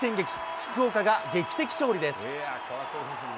福岡が劇的勝利です。